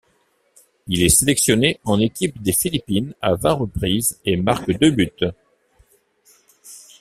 Il est sélectionné en équipe des Philippines à vingt reprises et marque deux buts.